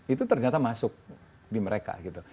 itu ternyata masuk di mereka gitu